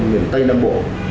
miền tây nam bộ